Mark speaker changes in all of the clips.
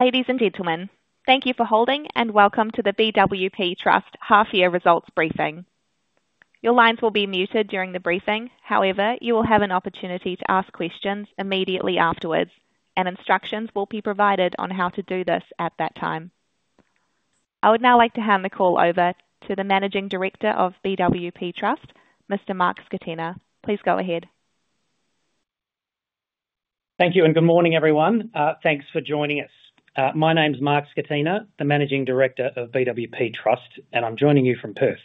Speaker 1: Ladies and gentlemen, thank you for holding and welcome to the BWP Trust half-year results briefing. Your lines will be muted during the briefing. However, you will have an opportunity to ask questions immediately afterwards, and instructions will be provided on how to do this at that time. I would now like to hand the call over to the Managing Director of BWP Trust, Mr. Mark Scatena. Please go ahead.
Speaker 2: Thank you and good morning, everyone. Thanks for joining us. My name's Mark Scatena, the Managing Director of BWP Trust, and I'm joining you from Perth.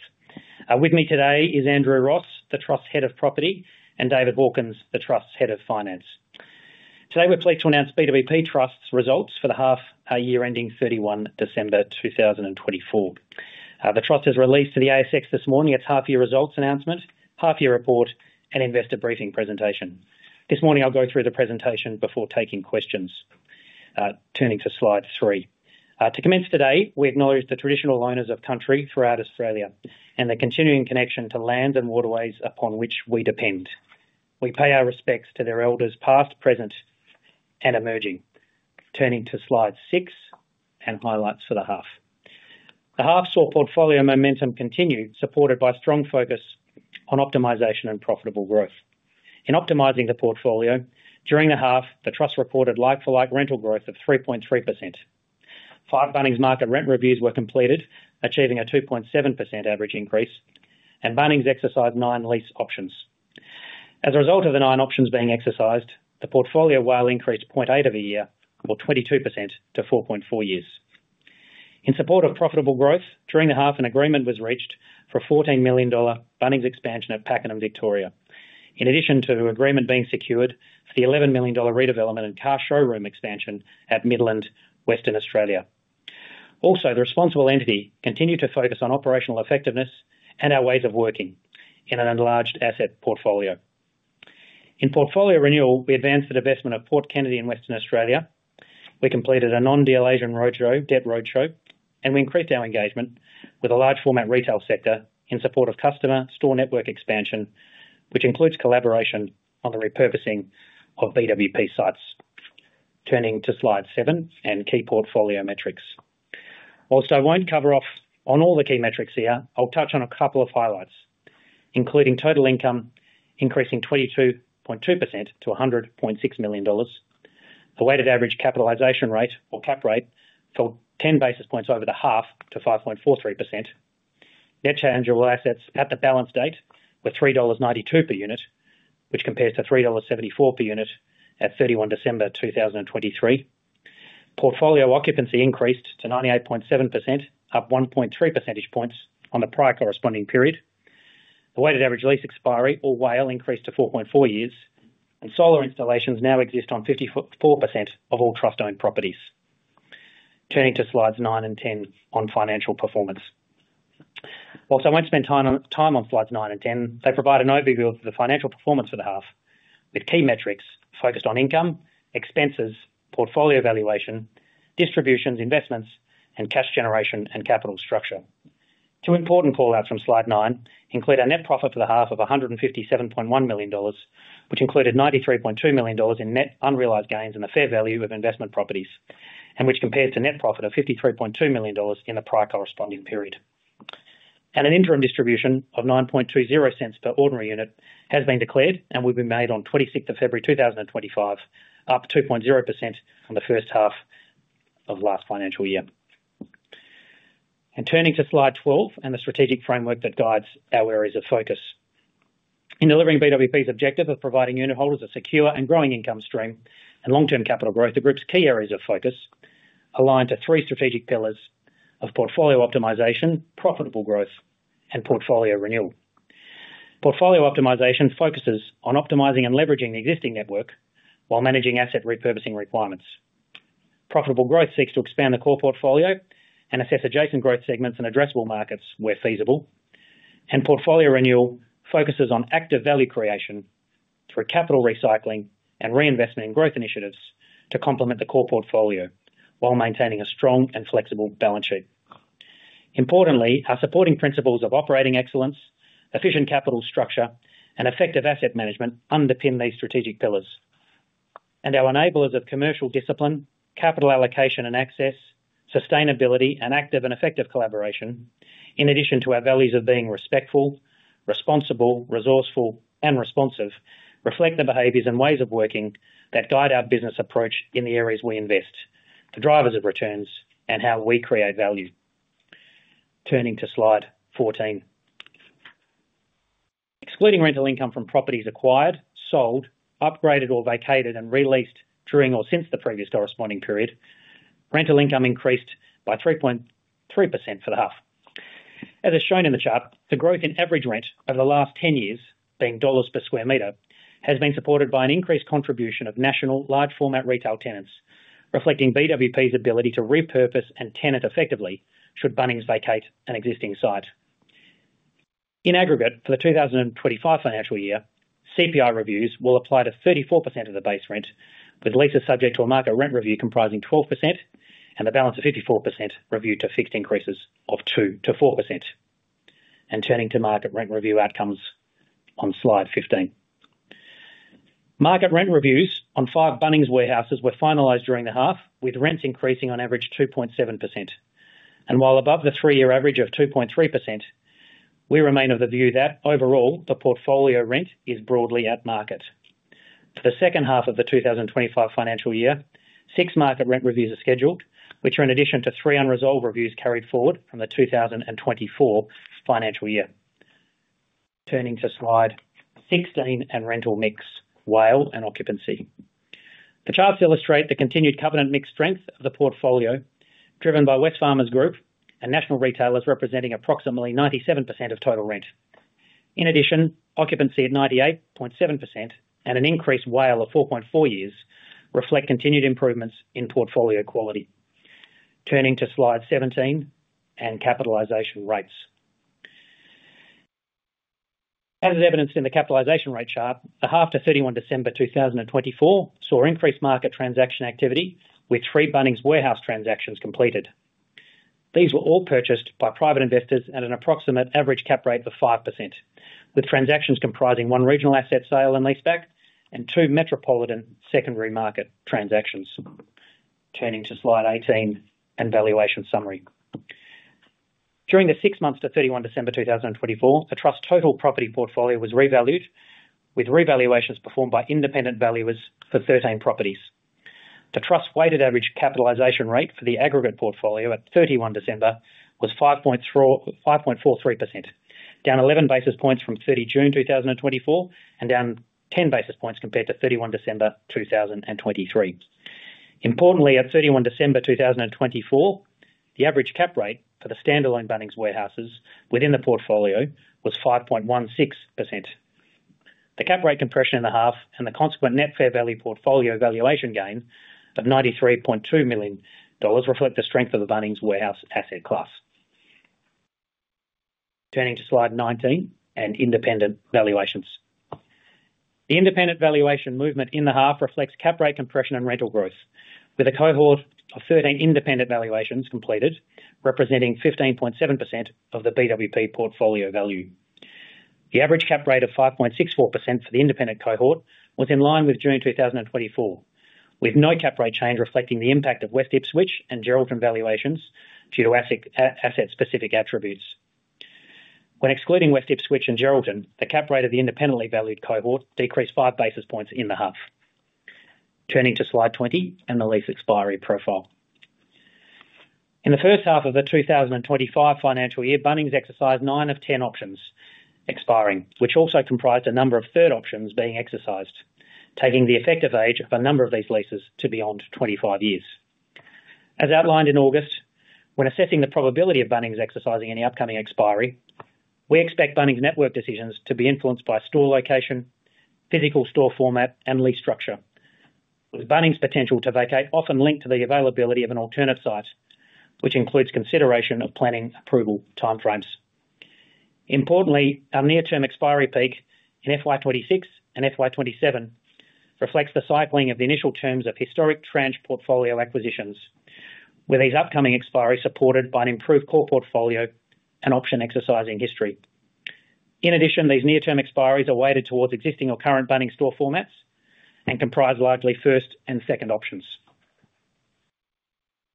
Speaker 2: With me today is Andrew Ross, the Trust's Head of Property, and David Hawkins, the Trust's Head of Finance. Today we're pleased to announce BWP Trust's results for the half-year ending 31 December 2024. The Trust has released to the ASX this morning its half-year results announcement, half-year report, and investor briefing presentation. This morning I'll go through the presentation before taking questions. Turning to slide three. To commence today, we acknowledge the traditional owners of country throughout Australia and the continuing connection to lands and waterways upon which we depend. We pay our respects to their elders past, present, and emerging. Turning to slide six and highlights for the half. The half saw portfolio momentum continue, supported by strong focus on optimization and profitable growth. In optimizing the portfolio, during the half, the Trust reported like-for-like rental growth of 3.3%. Five Bunnings market rent reviews were completed, achieving a 2.7% average increase, and Bunnings exercised nine lease options. As a result of the nine options being exercised, the portfolio WALE increased 0.8 of a year, or 22%, to 4.4 years. In support of profitable growth, during the half, an agreement was reached for a 14 million dollar Bunnings expansion at Pakenham, Victoria, in addition to an agreement being secured for the 11 million dollar redevelopment and car showroom expansion at Midland, Western Australia. Also, the responsible entity continued to focus on operational effectiveness and our ways of working in an enlarged asset portfolio. In portfolio renewal, we advanced the divestment of Port Kennedy in Western Australia. We completed a non-deal roadshow, debt roadshow, and we increased our engagement with a large-format retail sector in support of customer store network expansion, which includes collaboration on the repurposing of BWP sites. Turning to slide seven and key portfolio metrics. While I won't cover off on all the key metrics here, I'll touch on a couple of highlights, including total income increasing 22.2% to 100.6 million dollars, a weighted average capitalization rate, or cap rate, fell 10 basis points over the half to 5.43%. Net tangible assets at the balance date were 3.92 dollars per unit, which compares to 3.74 dollars per unit at 31 December 2023. Portfolio occupancy increased to 98.7%, up 1.3 percentage points on the prior corresponding period. The weighted average lease expiry, or WALE, increased to 4.4 years, and solar installations now exist on 54% of all Trust-owned properties. Turning to slides nine and ten on financial performance. While I won't spend time on slides nine and ten, they provide an overview of the financial performance for the half, with key metrics focused on income, expenses, portfolio valuation, distributions, investments, and cash generation and capital structure. Two important callouts from slide nine include a net profit for the half of 157.1 million dollars, which included 93.2 million dollars in net unrealized gains in the fair value of investment properties, and which compares to net profit of 53.2 million dollars in the prior corresponding period. An interim distribution of 0.0920 per ordinary unit has been declared and will be made on 26 February 2025, up 2.0% on the first half of last financial year. Turning to slide twelve and the strategic framework that guides our areas of focus. In delivering BWP's objective of providing unit holders a secure and growing income stream and long-term capital growth, the group's key areas of focus align to three strategic pillars of portfolio optimization, profitable growth, and portfolio renewal. Portfolio optimization focuses on optimizing and leveraging the existing network while managing asset repurposing requirements. Profitable growth seeks to expand the core portfolio and assess adjacent growth segments and addressable markets where feasible. And portfolio renewal focuses on active value creation through capital recycling and reinvestment in growth initiatives to complement the core portfolio while maintaining a strong and flexible balance sheet. Importantly, our supporting principles of operating excellence, efficient capital structure, and effective asset management underpin these strategic pillars. And our enablers of commercial discipline, capital allocation and access, sustainability, and active and effective collaboration, in addition to our values of being respectful, responsible, resourceful, and responsive, reflect the behaviors and ways of working that guide our business approach in the areas we invest, the drivers of returns, and how we create value. Turning to slide fourteen. Excluding rental income from properties acquired, sold, upgraded, or vacated and released during or since the previous corresponding period, rental income increased by 3.3% for the half. As is shown in the chart, the growth in average rent over the last ten years, being dollars per square meter, has been supported by an increased contribution of national large-format retail tenants, reflecting BWP's ability to repurpose and tenant effectively should Bunnings vacate an existing site. In aggregate, for the 2025 financial year, CPI reviews will apply to 34% of the base rent, with leases subject to a market rent review comprising 12% and the balance of 54% reviewed to fixed increases of 2%-4%. And turning to market rent review outcomes on slide 15. Market rent reviews on five Bunnings warehouses were finalised during the half, with rents increasing on average 2.7%. And while above the three-year average of 2.3%, we remain of the view that overall the portfolio rent is broadly at market. For the second half of the 2025 financial year, six market rent reviews are scheduled, which are in addition to three unresolved reviews carried forward from the 2024 financial year. Turning to slide 16 and rental mix, WALE and occupancy. The charts illustrate the continued covenant mix strength of the portfolio, driven by Wesfarmers Group and national retailers representing approximately 97% of total rent. In addition, occupancy at 98.7% and an increased WALE of 4.4 years reflect continued improvements in portfolio quality. Turning to slide 17 and capitalization rates. As evidenced in the capitalization rate chart, the half to 31 December 2024 saw increased market transaction activity with three Bunnings Warehouse transactions completed. These were all purchased by private investors at an approximate average cap rate of 5%, with transactions comprising one regional asset sale and leaseback and two metropolitan secondary market transactions. Turning to slide 18 and valuation summary. During the six months to 31 December 2024, the Trust's total property portfolio was revalued, with revaluations performed by independent valuers for 13 properties. The Trust's weighted average capitalization rate for the aggregate portfolio at 31 December was 5.43%, down 11 basis points from 30 June 2024 and down 10 basis points compared to 31 December 2023. Importantly, at 31 December 2024, the average cap rate for the standalone Bunnings warehouses within the portfolio was 5.16%. The cap rate compression in the half and the consequent net fair value portfolio valuation gain of 93.2 million dollars reflect the strength of the Bunnings warehouse asset class. Turning to slide nineteen and independent valuations. The independent valuation movement in the half reflects cap rate compression and rental growth, with a cohort of thirteen independent valuations completed, representing 15.7% of the BWP portfolio value. The average cap rate of 5.64% for the independent cohort was in line with June 2024, with no cap rate change reflecting the impact of West Ipswich and Geraldton valuations due to asset-specific attributes. When excluding West Ipswich and Geraldton, the cap rate of the independently valued cohort decreased five basis points in the half. Turning to slide 20 and the lease expiry profile. In the first half of the 2025 financial year, Bunnings exercised nine of 10 options expiring, which also comprised a number of third options being exercised, taking the effective age of a number of these leases to beyond 25 years. As outlined in August, when assessing the probability of Bunnings exercising any upcoming expiry, we expect Bunnings network decisions to be influenced by store location, physical store format, and lease structure, with Bunnings' potential to vacate often linked to the availability of an alternative site, which includes consideration of planning approval timeframes. Importantly, our near-term expiry peak in FY26 and FY27 reflects the cycling of the initial terms of historic tranche portfolio acquisitions, with these upcoming expiry supported by an improved core portfolio and option exercising history. In addition, these near-term expiries are weighted towards existing or current Bunnings store formats and comprise largely first and second options.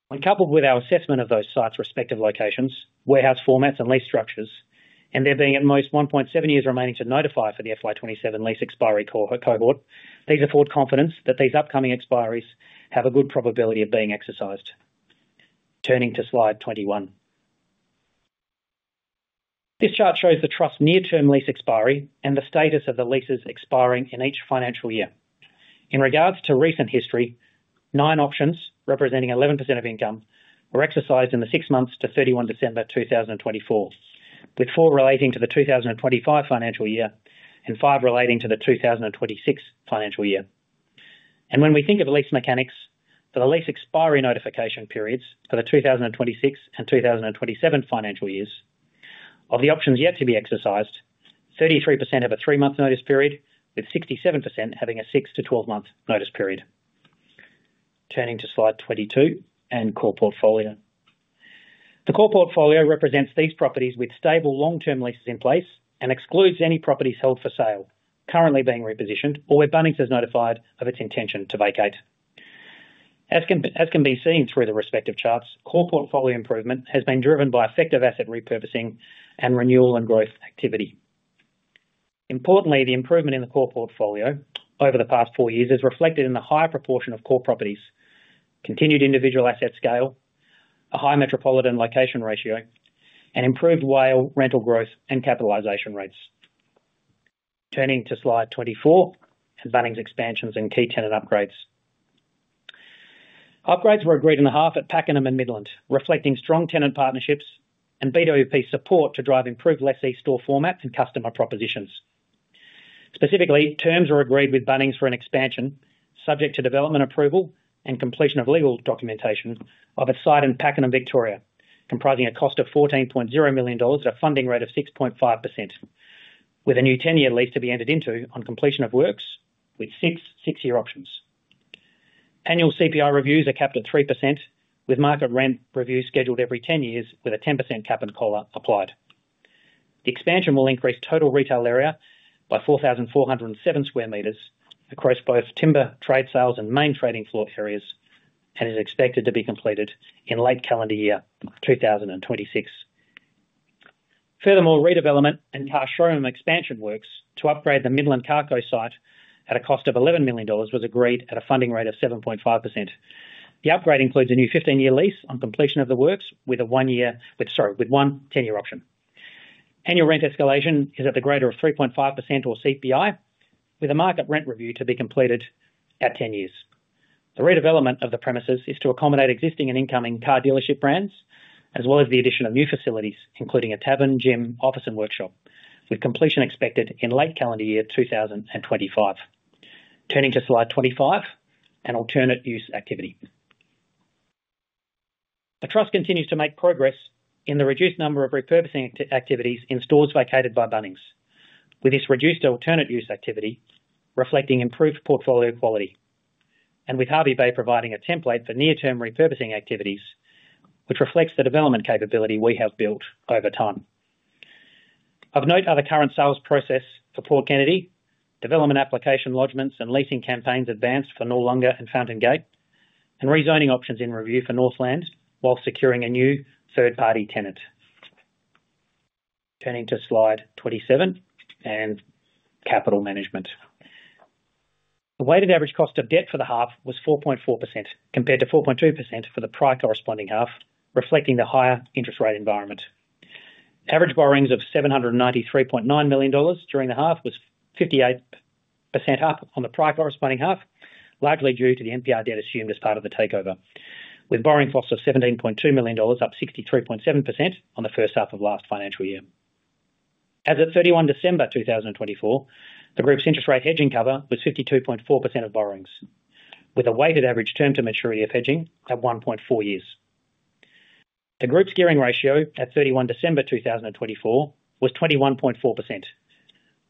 Speaker 2: When coupled with our assessment of those sites' respective locations, warehouse formats, and lease structures, and there being at most 1.7 years remaining to notify for the FY27 lease expiry cohort, these afford confidence that these upcoming expiries have a good probability of being exercised. Turning to slide twenty-one. This chart shows the Trust's near-term lease expiry and the status of the leases expiring in each financial year. In regards to recent history, nine options representing 11% of income were exercised in the six months to 31 December 2024, with four relating to the 2025 financial year and five relating to the 2026 financial year. When we think of lease mechanics for the lease expiry notification periods for the 2026 and 2027 financial years, of the options yet to be exercised, 33% have a three-month notice period, with 67% having a 6- to 12-month notice period. Turning to slide 22 and core portfolio. The core portfolio represents these properties with stable long-term leases in place and excludes any properties held for sale, currently being repositioned, or where Bunnings has notified of its intention to vacate. As can be seen through the respective charts, core portfolio improvement has been driven by effective asset repurposing and renewal and growth activity. Importantly, the improvement in the core portfolio over the past four years is reflected in the higher proportion of core properties, continued individual asset scale, a high metropolitan location ratio, and improved WALE rental growth and capitalization rates. Turning to slide 24 and Bunnings expansions and key tenant upgrades. Upgrades were agreed in the half at Pakenham and Midland, reflecting strong tenant partnerships and BWP support to drive improved Bunnings' latest store format and customer propositions. Specifically, terms were agreed with Bunnings for an expansion subject to development approval and completion of legal documentation of a site in Pakenham, Victoria, comprising a cost of 14.0 million dollars at a funding rate of 6.5%, with a new 10-year lease to be entered into on completion of works, with six 6-year options. Annual CPI reviews are capped at 3%, with market rent reviews scheduled every 10 years with a 10% cap and collar applied. The expansion will increase total retail area by 4,407 square metres across both timber trade sales and main trading floor areas and is expected to be completed in late calendar year 2026. Furthermore, redevelopment and car showroom expansion works to upgrade the Midland Carco site at a cost of 11 million dollars was agreed at a funding rate of 7.5%. The upgrade includes a new 15-year lease on completion of the works with one ten-year option. Annual rent escalation is at the greater of 3.5% or CPI, with a market rent review to be completed at ten years. The redevelopment of the premises is to accommodate existing and incoming car dealership brands, as well as the addition of new facilities, including a tavern, gym, office, and workshop, with completion expected in late calendar year 2025. Turning to slide twenty-five and alternate use activity. The Trust continues to make progress in the reduced number of repurposing activities in stores vacated by Bunnings, with this reduced alternate use activity reflecting improved portfolio quality and with Hervey Bay providing a template for near-term repurposing activities, which reflects the development capability we have built over time. Of note, other current sales process for Port Kennedy, development application lodgements and leasing campaigns advanced for Noarlunga and Fountain Gate, and rezoning options in review for Northland while securing a new third-party tenant. Turning to slide 27 and capital management. The weighted average cost of debt for the half was 4.4% compared to 4.2% for the prior corresponding half, reflecting the higher interest rate environment. Average borrowings of 793.9 million dollars during the half was 58% up on the prior corresponding half, largely due to the NPR debt assumed as part of the takeover, with borrowing costs of 17.2 million dollars up 63.7% on the first half of last financial year. As of 31 December 2024, the group's interest rate hedging cover was 52.4% of borrowings, with a weighted average term to maturity of hedging at 1.4 years. The group's gearing ratio at 31 December 2024 was 21.4%,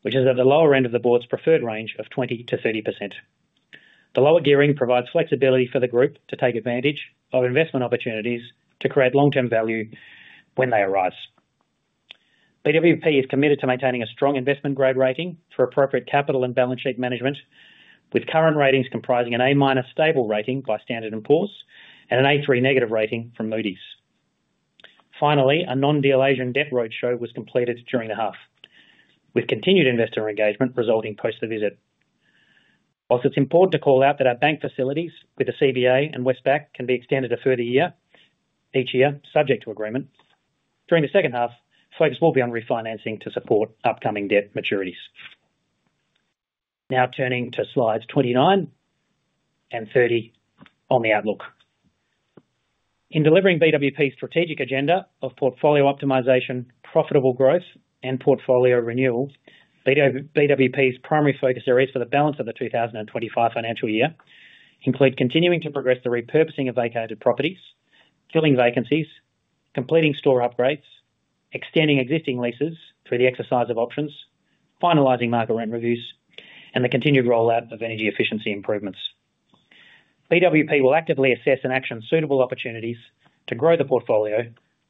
Speaker 2: which is at the lower end of the board's preferred range of 20%-30%. The lower gearing provides flexibility for the group to take advantage of investment opportunities to create long-term value when they arise. BWP is committed to maintaining a strong investment grade rating for appropriate capital and balance sheet management, with current ratings comprising an A-minus stable rating by Standard & Poor's and an A3 negative rating from Moody's. Finally, a non-deal Asian debt roadshow was completed during the half, with continued investor engagement resulting post the visit. Whilst it's important to call out that our bank facilities with the CBA and Westpac can be extended a further year each year, subject to agreement, during the second half, focus will be on refinancing to support upcoming debt maturities. Now turning to slides 29 and 30 on the outlook. In delivering BWP's strategic agenda of portfolio optimization, profitable growth, and portfolio renewal, BWP's primary focus areas for the balance of the 2025 financial year include continuing to progress the repurposing of vacated properties, filling vacancies, completing store upgrades, extending existing leases through the exercise of options, finalizing market rent reviews, and the continued rollout of energy efficiency improvements. BWP will actively assess and action suitable opportunities to grow the portfolio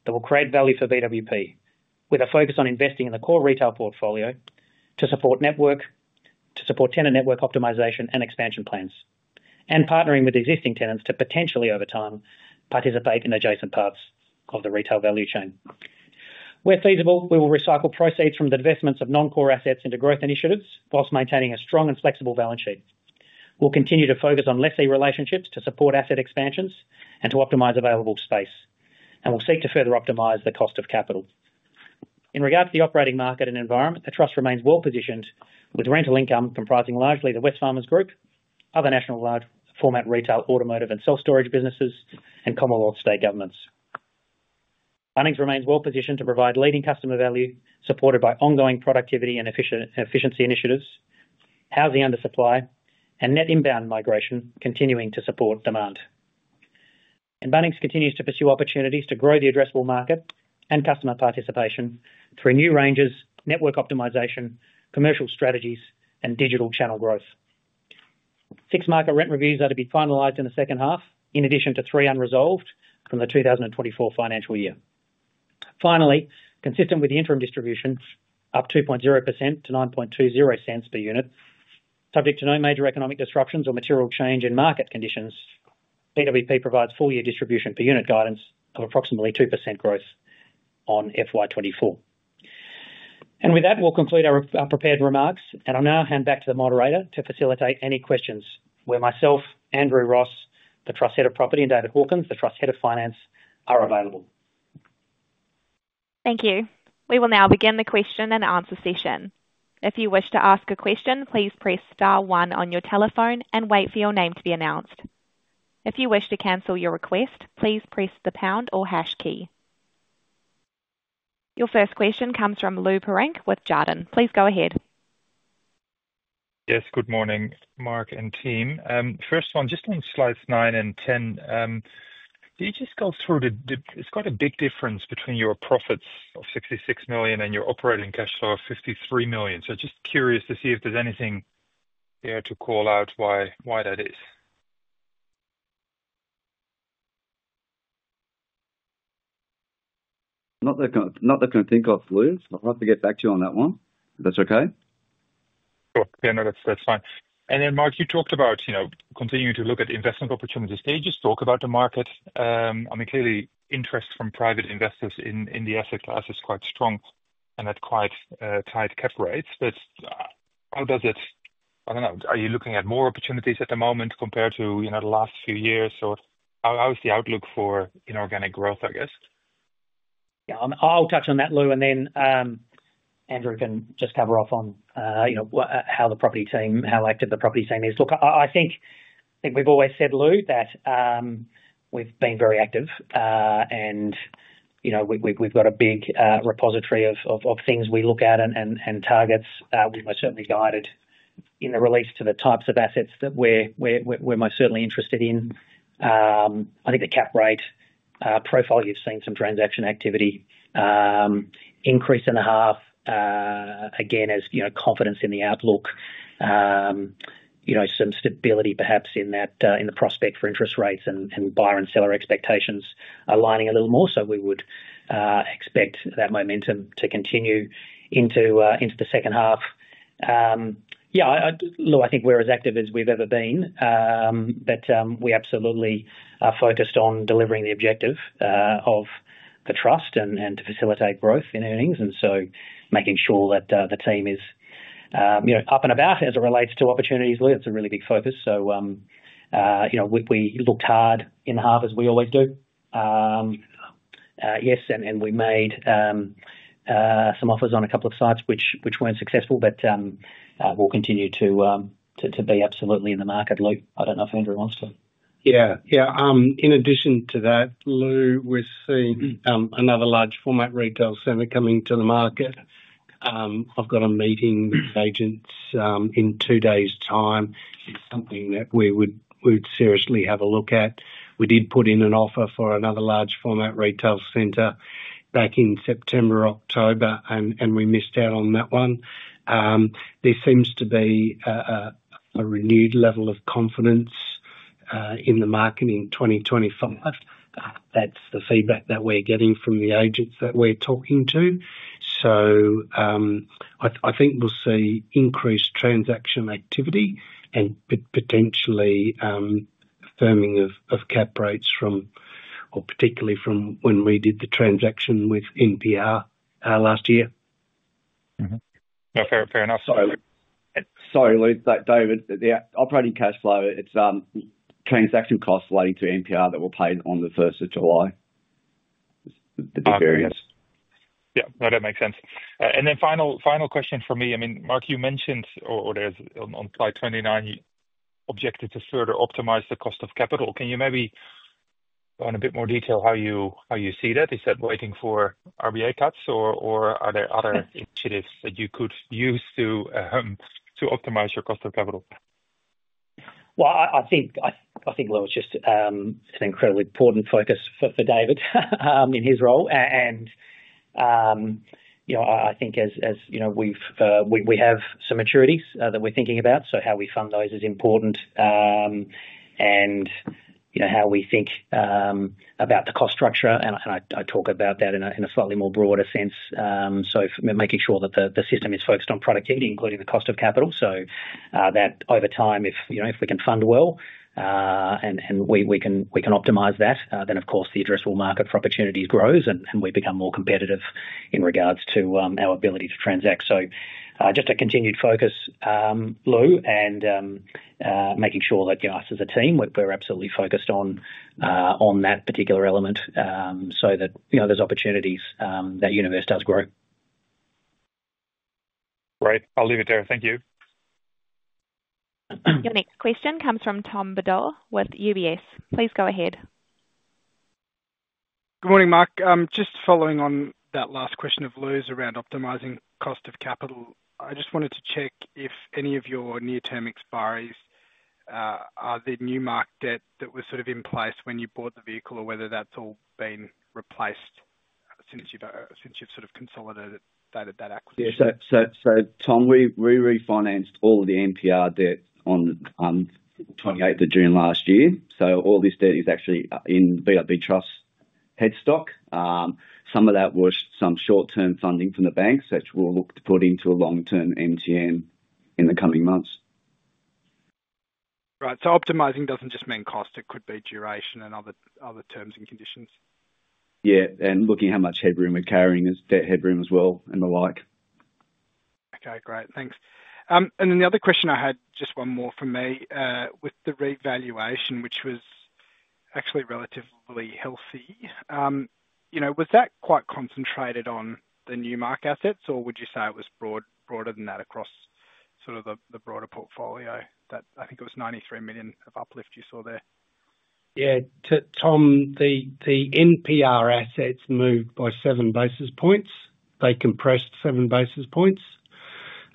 Speaker 2: that will create value for BWP, with a focus on investing in the core retail portfolio to support network, to support tenant network optimization and expansion plans, and partnering with existing tenants to potentially, over time, participate in adjacent paths of the retail value chain. Where feasible, we will recycle proceeds from the investments of non-core assets into growth initiatives while maintaining a strong and flexible balance sheet. We'll continue to focus on lessee relationships to support asset expansions and to optimize available space, and we'll seek to further optimize the cost of capital. In regards to the operating market and environment, the Trust remains well positioned, with rental income comprising largely the Wesfarmers Group, other national large-format retail, automotive and self-storage businesses, and Commonwealth and state governments. Bunnings remains well positioned to provide leading customer value, supported by ongoing productivity and efficiency initiatives, housing undersupply, and net inbound migration continuing to support demand. And Bunnings continues to pursue opportunities to grow the addressable market and customer participation through new ranges, network optimization, commercial strategies, and digital channel growth. Six market rent reviews are to be finalized in the second half, in addition to three unresolved from the 2024 financial year. Finally, consistent with the interim distribution, up 2.0% to 0.0920 per unit, subject to no major economic disruptions or material change in market conditions, BWP provides full year distribution per unit guidance of approximately 2% growth on FY24. And with that, we'll conclude our prepared remarks, and I'll now hand back to the moderator to facilitate any questions, where myself, Andrew Ross, the Trust's Head of Property, and David Hawkins, the Trust's Head of Finance, are available.
Speaker 1: Thank you. We will now begin the question and answer session. If you wish to ask a question, please press star one on your telephone and wait for your name to be announced. If you wish to cancel your request, please press the pound or hash key. Your first question comes from Lou Pirenc with Jarden. Please go ahead.
Speaker 3: Yes, good morning, Mark and team. First one, just on slides nine and 10, could you just go through. It's quite a big difference between your profits of 66 million and your operating cash flow of 53 million. So just curious to see if there's anything there to call out why that is.
Speaker 2: Not that I can think of, Lou. I'll have to get back to you on that one, if that's okay.
Speaker 3: Sure. Yeah, no, that's fine. And then, Mark, you talked about continuing to look at investment opportunities. Did you just talk about the market? I mean, clearly, interest from private investors in the asset class is quite strong and at quite tight cap rates. But how does it, I don't know, are you looking at more opportunities at the moment compared to the last few years? Or how is the outlook for inorganic growth, I guess?
Speaker 2: Yeah, I'll touch on that, Lou, and then Andrew can just cover off on how the property team, how active the property team is. Look, I think we've always said, Lou, that we've been very active, and we've got a big repository of things we look at and targets. We're most certainly guided in the release to the types of assets that we're most certainly interested in. I think the cap rate profile. You've seen some transaction activity increase in the half again as confidence in the outlook, some stability perhaps in the prospect for interest rates and buyer and seller expectations aligning a little more. So we would expect that momentum to continue into the second half. Yeah, Lou, I think we're as active as we've ever been, but we absolutely are focused on delivering the objective of the Trust and to facilitate growth in earnings. And so making sure that the team is up and about as it relates to opportunities, Lou, that's a really big focus. So we looked hard in the half, as we always do. Yes, and we made some offers on a couple of sites which weren't successful, but we'll continue to be absolutely in the market, Lou. I don't know if Andrew wants to.
Speaker 4: Yeah, yeah. In addition to that, Lou, we're seeing another large-format retail center coming to the market. I've got a meeting with the agents in two days' time. It's something that we would seriously have a look at. We did put in an offer for another large-format retail center back in September, October, and we missed out on that one. There seems to be a renewed level of confidence in the market in 2025. That's the feedback that we're getting from the agents that we're talking to. So I think we'll see increased transaction activity and potentially firming of cap rates from, or particularly from when we did the transaction with NPR last year.
Speaker 2: Yeah, fair enough. Sorry, Lou. Sorry, Lou, David, the operating cash flow, it's transaction costs relating to NPR that were paid on the 1st of July. The big variance.
Speaker 3: Yeah, no, that makes sense. And then final question for me. I mean, Mark, you mentioned, or there's on slide 29, you expected to further optimize the cost of capital. Can you maybe go in a bit more detail how you see that? Is that waiting for RBA cuts, or are there other initiatives that you could use to optimize your cost of capital?
Speaker 2: Well, I think, Lou, it's just an incredibly important focus for David in his role. And I think as we have some maturities that we're thinking about, so how we fund those is important and how we think about the cost structure. And I talk about that in a slightly more broader sense. So making sure that the system is focused on productivity, including the cost of capital, so that over time, if we can fund well and we can optimize that, then of course the addressable market for opportunities grows and we become more competitive in regards to our ability to transact. So just a continued focus, Lou, and making sure that us as a team, we're absolutely focused on that particular element so that there's opportunities that universe does grow.
Speaker 3: Great. I'll leave it there. Thank you.
Speaker 1: Your next question comes from Tom Bodor with UBS. Please go ahead.
Speaker 5: Good morning, Mark. Just following on that last question of Lou's around optimizing cost of capital, I just wanted to check if any of your near-term expiries are the Newmark debt that was sort of in place when you bought the vehicle or whether that's all been replaced since you've sort of consolidated that acquisition.
Speaker 2: Yeah, so Tom, we refinanced all of the NPR debt on 28th of June last year. So all this debt is actually in BWP Trust head entity. Some of that was short-term funding from the bank, which we'll look to put into a long-term MTN in the coming months.
Speaker 5: Right. So optimizing doesn't just mean cost. It could be duration and other terms and conditions.
Speaker 2: Yeah, and looking at how much headroom we're carrying as debt headroom as well and the like.
Speaker 5: Okay, great. Thanks. And then the other question I had, just one more from me, with the revaluation, which was actually relatively healthy, was that quite concentrated on the Newmark assets, or would you say it was broader than that across sort of the broader portfolio? I think it was 93 million of uplift you saw there.
Speaker 4: Yeah, Tom, the NPR assets moved by seven basis points. They compressed seven basis points,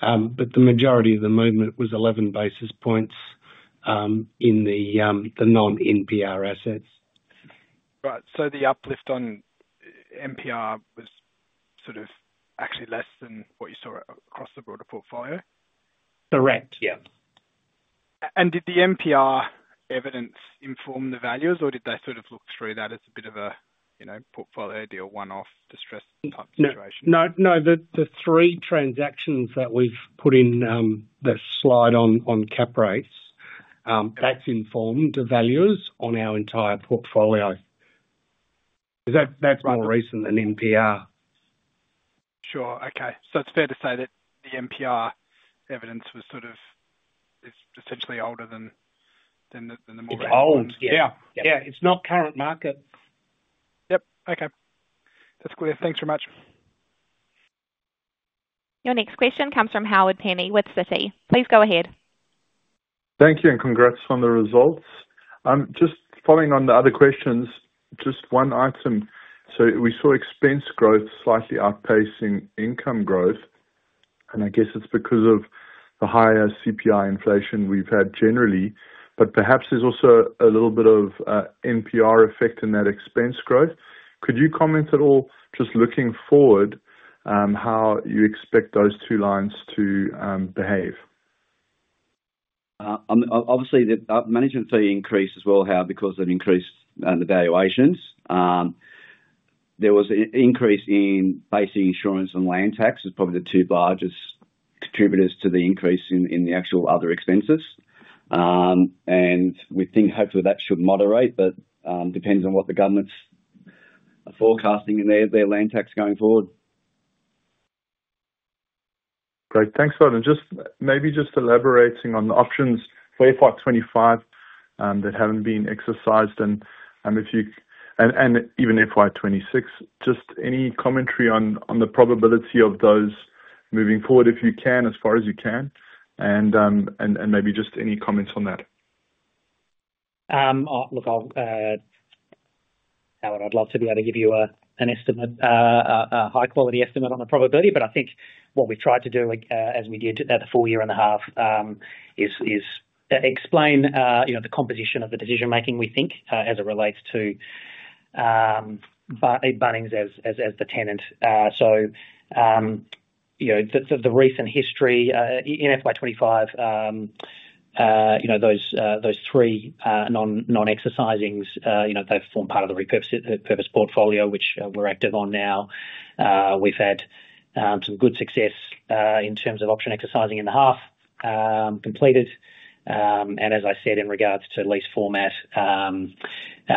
Speaker 4: but the majority of the movement was 11 basis points in the non-NPR assets. Right. So the uplift on NPR was sort of actually less than what you saw across the broader portfolio?
Speaker 2: Correct. Yeah.
Speaker 4: And did the NPR evidence inform the values, or did they sort of look through that as a bit of a portfolio deal, one-off distressed type situation?
Speaker 2: No, no, the three transactions that we've put in the slide on cap rates, that's informed the values on our entire portfolio. That's more recent than NPR.
Speaker 5: Sure. Okay. So it's fair to say that the NPR evidence was sort of essentially older than the more recent.
Speaker 2: It's old. Yeah. Yeah, it's not current market.
Speaker 5: Yep. Okay. That's clear. Thanks very much.
Speaker 1: Your next question comes from Howard Penny with Citi. Please go ahead.
Speaker 6: Thank you and congrats on the results. Just following on the other questions, just one item. So we saw expense growth slightly outpacing income growth, and I guess it's because of the higher CPI inflation we've had generally, but perhaps there's also a little bit of NPR effect in that expense growth. Could you comment at all, just looking forward, how you expect those two lines to behave?
Speaker 2: Obviously, the management fee increased as well, because of increased valuations. There was an increase in basic insurance and land tax as probably the two largest contributors to the increase in the actual other expenses. We think hopefully that should moderate, but it depends on what the government's forecasting their land tax going forward.
Speaker 6: Great. Thanks for that. Just maybe just elaborating on the options, so FY25 that haven't been exercised and even FY26, just any commentary on the probability of those moving forward, if you can, as far as you can, and maybe just any comments on that?
Speaker 2: Look, Howard, I'd love to be able to give you a high-quality estimate on the probability, but I think what we've tried to do as we did the full year and a half is explain the composition of the decision-making we think as it relates to Bunnings as the tenant. So the recent history in FY25, those three non-exercisings, they've formed part of the repurposed portfolio, which we're active on now. We've had some good success in terms of option exercising in the half completed. And as I said, in regards to lease format, the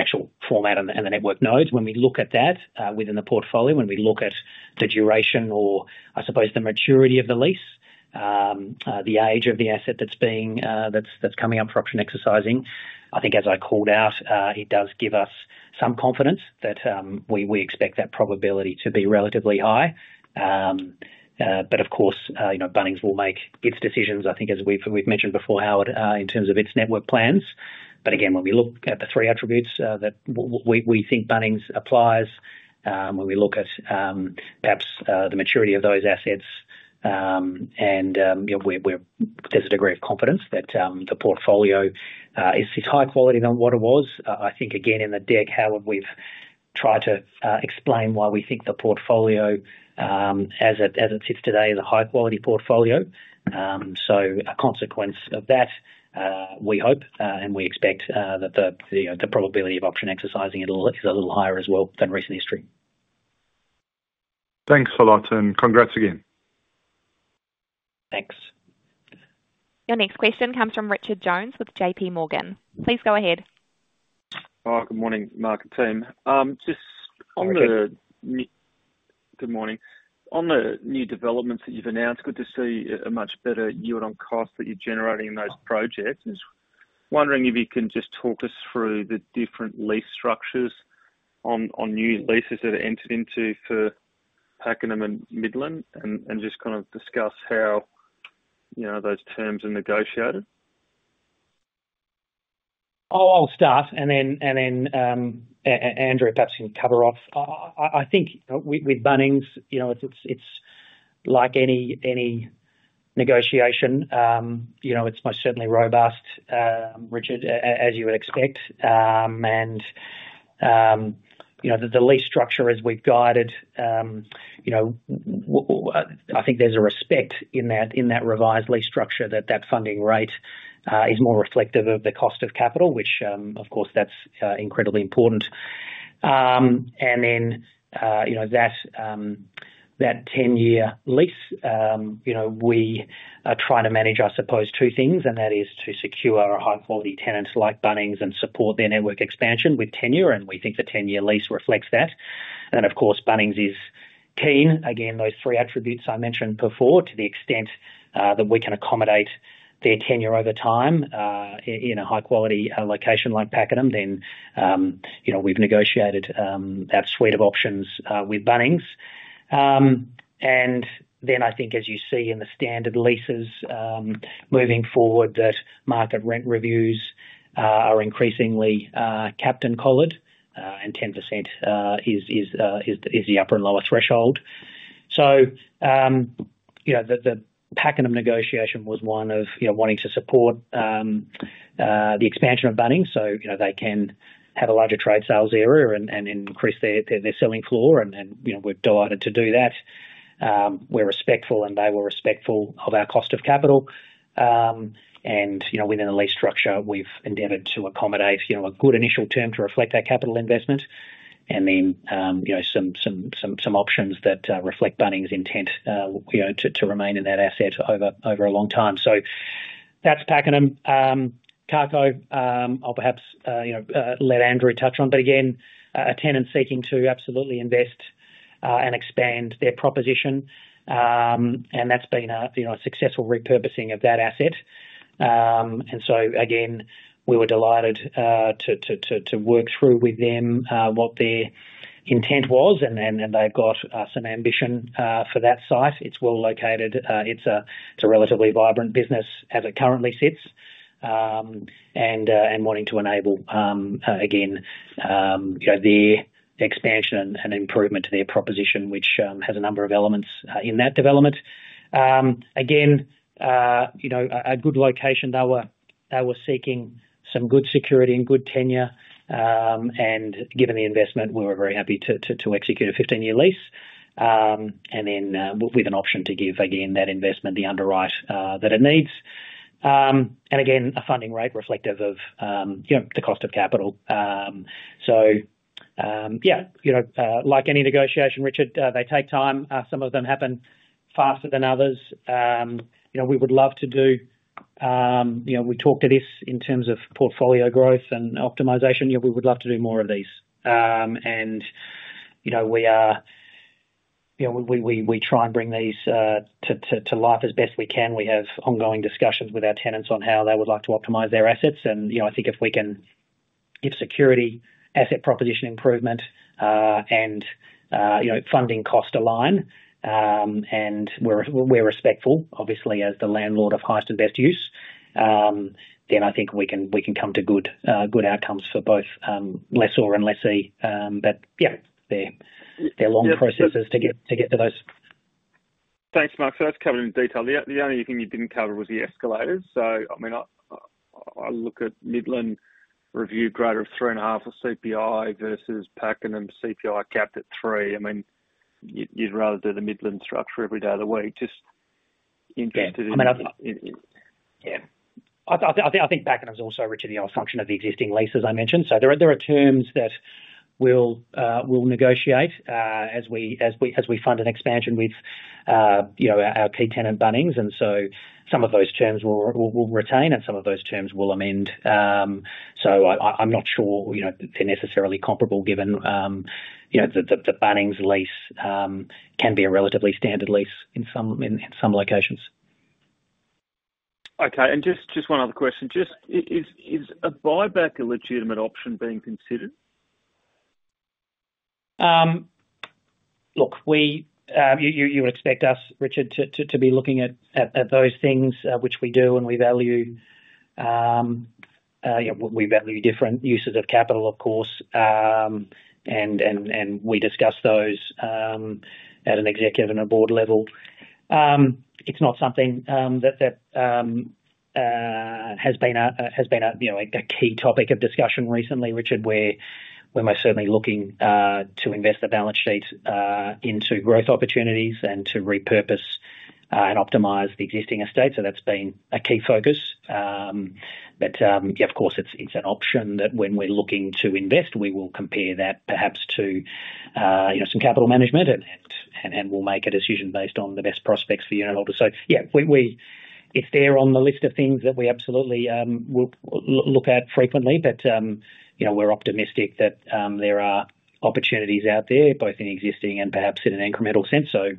Speaker 2: actual format and the network nodes, when we look at that within the portfolio, when we look at the duration or, I suppose, the maturity of the lease, the age of the asset that's coming up for option exercising, I think as I called out, it does give us some confidence that we expect that probability to be relatively high. But of course, Bunnings will make its decisions, I think, as we've mentioned before, Howard, in terms of its network plans. But again, when we look at the three attributes that we think Bunnings applies, when we look at perhaps the maturity of those assets, and there's a degree of confidence that the portfolio is higher quality than what it was. I think, again, in the deck, Howard, we've tried to explain why we think the portfolio as it sits today is a high-quality portfolio, so a consequence of that, we hope, and we expect that the probability of option exercising is a little higher as well than recent history.
Speaker 6: Thanks a lot, and congrats again.
Speaker 2: Thanks.
Speaker 1: Your next question comes from Richard Jones with JP Morgan. Please go ahead.
Speaker 7: Good morning, Mark and team.
Speaker 2: Good morning.
Speaker 7: Good morning. On the new developments that you've announced, good to see a much better yield on cost that you're generating in those projects. Just wondering if you can just talk us through the different lease structures on new leases that are entered into for Pakenham and Midland and just kind of discuss how those terms are negotiated?
Speaker 2: I'll start, and then Andrew perhaps can cover off. I think with Bunnings, it's like any negotiation. It's most certainly robust, Richard, as you would expect. And the lease structure, as we've guided, I think there's a respect in that revised lease structure that that funding rate is more reflective of the cost of capital, which, of course, that's incredibly important. And then that 10-year lease, we are trying to manage, I suppose, two things, and that is to secure a high-quality tenant like Bunnings and support their network expansion with tenure, and we think the 10-year lease reflects that. Of course, Bunnings is keen, again, those three attributes I mentioned before, to the extent that we can accommodate their tenure over time in a high-quality location like Pakenham, then we've negotiated that suite of options with Bunnings. Then I think, as you see in the standard leases moving forward, that market rent reviews are increasingly capped and collared, and 10% is the upper and lower threshold. The Pakenham negotiation was one of wanting to support the expansion of Bunnings so they can have a larger trade sales area and increase their selling floor, and we're delighted to do that. We're respectful, and they were respectful of our cost of capital. Within the lease structure, we've endeavoured to accommodate a good initial term to reflect our capital investment and then some options that reflect Bunnings' intent to remain in that asset over a long time. That's Pakenham. Carco, I'll perhaps let Andrew touch on, but again, a tenant seeking to absolutely invest and expand their proposition, and that's been a successful repurposing of that asset. We were delighted to work through with them what their intent was, and they've got some ambition for that site. It's well located. It's a relatively vibrant business as it currently sits and wanting to enable, again, the expansion and improvement to their proposition, which has a number of elements in that development. It's a good location. They were seeking some good security and good tenure, and given the investment, we were very happy to execute a 15-year lease and then with an option to give, again, that investment the underwrite that it needs. It's a funding rate reflective of the cost of capital. Yeah, like any negotiation, Richard, they take time. Some of them happen faster than others. We would love to do. We talked to this in terms of portfolio growth and optimization. We would love to do more of these. And we try and bring these to life as best we can. We have ongoing discussions with our tenants on how they would like to optimize their assets. And I think if we can give security, asset proposition improvement, and funding cost align, and we're respectful, obviously, as the landlord of highest and best use, then I think we can come to good outcomes for both lessor and lessee. But yeah, they're long processes to get to those.
Speaker 7: Thanks, Mark. So that's covered in detail. The only thing you didn't cover was the escalators. So I mean, I look at Midland review greater of three and a half of CPI versus Pakenham CPI capped at three. I mean, you'd rather do the Midland structure every day of the week. Just interested in.
Speaker 2: Yeah, I think Pakenham's also, Richard, a function of the existing lease, as I mentioned, so there are terms that we'll negotiate as we fund an expansion with our key tenant, Bunnings, and so some of those terms we'll retain, and some of those terms we'll amend, so I'm not sure they're necessarily comparable given the Bunnings lease can be a relatively standard lease in some locations.
Speaker 7: Okay, and just one other question: Is a buyback a legitimate option being considered?
Speaker 2: Look, you would expect us, Richard, to be looking at those things, which we do, and we value different uses of capital, of course, and we discuss those at an executive and a board level. It's not something that has been a key topic of discussion recently, Richard, where we're most certainly looking to invest the balance sheet into growth opportunities and to repurpose and optimize the existing estate, so that's been a key focus, but yeah, of course, it's an option that when we're looking to invest, we will compare that perhaps to some capital management, and we'll make a decision based on the best prospects for unit holders, so yeah, it's there on the list of things that we absolutely will look at frequently, but we're optimistic that there are opportunities out there, both in existing and perhaps in an incremental sense, so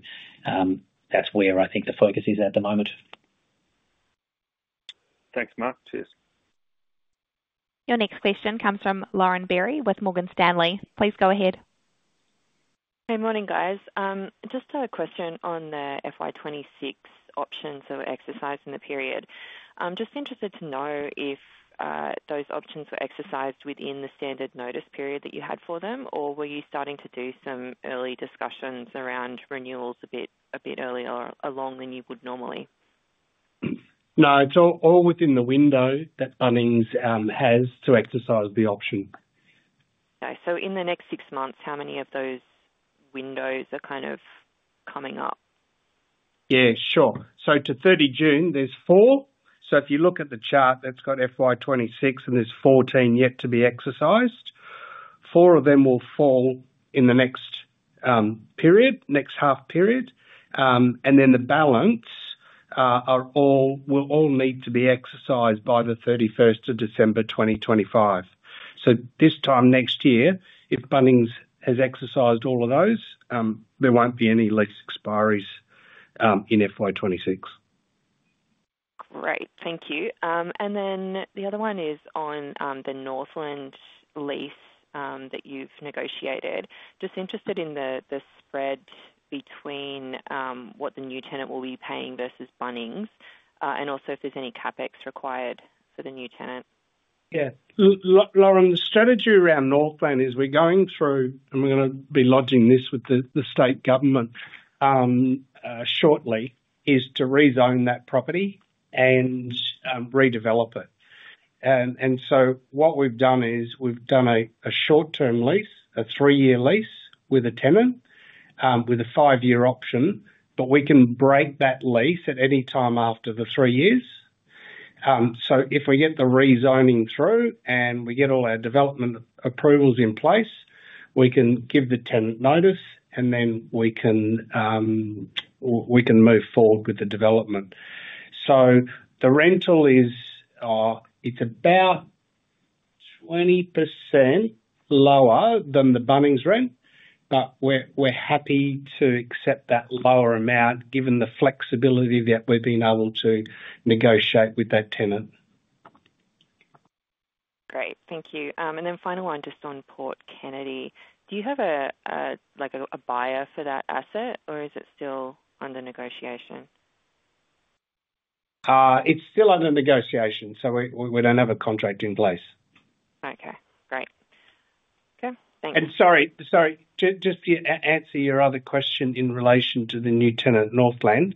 Speaker 2: that's where I think the focus is at the moment.
Speaker 7: Thanks, Mark. Cheers.
Speaker 1: Your next question comes from Lauren Berry with Morgan Stanley. Please go ahead.
Speaker 8: Hey, morning, guys. Just a question on the FY26 options that were exercised in the period. I'm just interested to know if those options were exercised within the standard notice period that you had for them, or were you starting to do some early discussions around renewals a bit earlier along than you would normally?
Speaker 2: No. It's all within the window that Bunnings has to exercise the option.
Speaker 8: Okay. So in the next six months, how many of those windows are kind of coming up?
Speaker 2: Yeah. Sure. So to 30 June, there's four. So if you look at the chart, that's got FY26, and there's 14 yet to be exercised. Four of them will fall in the next period, next half period. And then the balance will all need to be exercised by the 31st of December 2025. So this time next year, if Bunnings has exercised all of those, there won't be any lease expiries in FY26.
Speaker 8: Great. Thank you. And then the other one is on the Northland lease that you've negotiated. Just interested in the spread between what the new tenant will be paying versus Bunnings and also if there's any CapEx required for the new tenant.
Speaker 2: Yeah. Lauren, the strategy around Northland is we're going through, and we're going to be lodging this with the state government shortly, is to rezone that property and redevelop it. And so what we've done is we've done a short-term lease, a three-year lease with a tenant with a five-year option, but we can break that lease at any time after the three years. So if we get the rezoning through and we get all our development approvals in place, we can give the tenant notice, and then we can move forward with the development. So the rental is about 20% lower than the Bunnings rent, but we're happy to accept that lower amount given the flexibility that we've been able to negotiate with that tenant.
Speaker 8: Great. Thank you. And then final one, just on Port Kennedy. Do you have a buyer for that asset, or is it still under negotiation?
Speaker 2: It's still under negotiation, so we don't have a contract in place.
Speaker 8: Okay. Great. Okay. Thanks.
Speaker 2: And sorry, just to answer your other question in relation to the new tenant Northland,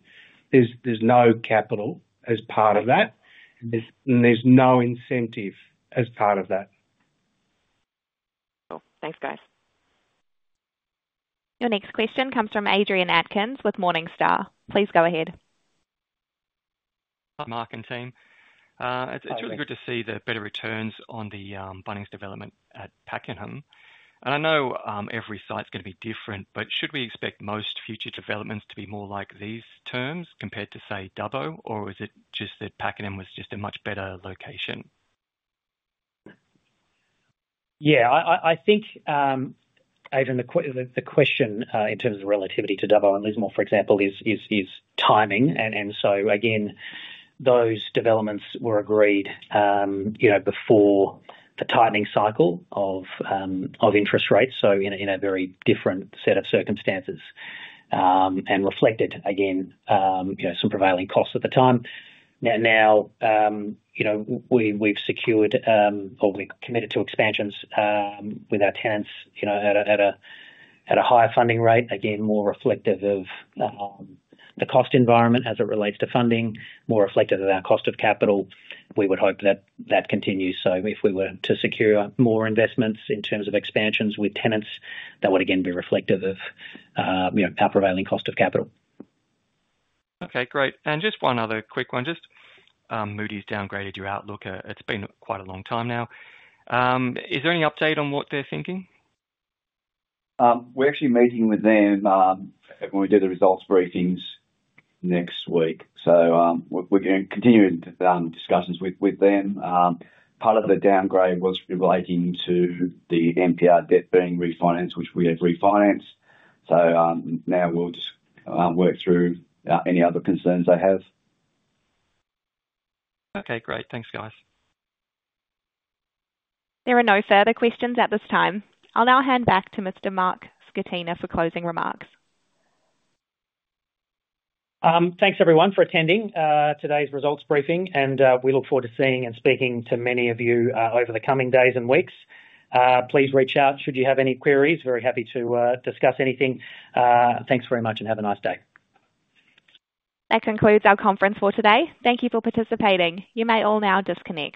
Speaker 2: there's no capital as part of that, and there's no incentive as part of that.
Speaker 8: Cool. Thanks, guys.
Speaker 1: Your next question comes from Adrian Atkins with Morningstar. Please go ahead.
Speaker 9: Hi, Mark and team. It's really good to see the better returns on the Bunnings development at Pakenham. I know every site's going to be different, but should we expect most future developments to be more like these terms compared to, say, Dubbo, or is it just that Pakenham was just a much better location?
Speaker 2: Yeah. I think, Adrian, the question in terms of relativity to Dubbo and Lismore, for example, is timing. So again, those developments were agreed before the tightening cycle of interest rates, so in a very different set of circumstances and reflected, again, some prevailing costs at the time. Now, we've secured, or we've committed to expansions with our tenants at a higher funding rate, again, more reflective of the cost environment as it relates to funding, more reflective of our cost of capital. We would hope that that continues. So if we were to secure more investments in terms of expansions with tenants, that would, again, be reflective of our prevailing cost of capital.
Speaker 9: Okay. Great. And just one other quick one. Just Moody's downgraded your outlook. It's been quite a long time now. Is there any update on what they're thinking?
Speaker 2: We're actually meeting with them when we do the results briefings next week. So we're continuing discussions with them. Part of the downgrade was relating to the NPR debt being refinanced, which we have refinanced. So now we'll just work through any other concerns they have.
Speaker 9: Okay. Great. Thanks, guys.
Speaker 1: There are no further questions at this time. I'll now hand back to Mr. Mark Scatena for closing remarks.
Speaker 2: Thanks, everyone, for attending today's results briefing, and we look forward to seeing and speaking to many of you over the coming days and weeks. Please reach out should you have any queries. Very happy to discuss anything. Thanks very much, and have a nice day.
Speaker 1: That concludes our conference for today. Thank you for participating. You may all now disconnect.